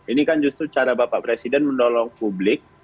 ini kan justru cara bapak presiden menolong publik